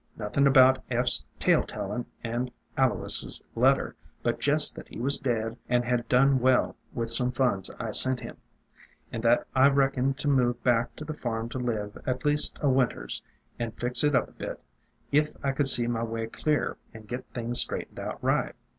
Nothin' about Eph's tale tellin' and A lois' letter, but jest that he was dead and had done well with 316 THE DRAPERY OF VINES some funds I sent him, an' that I reckoned to move back to the farm to live, at least o' winters, and fix it up a bit, if I could see my way clear, and get things straightened out right.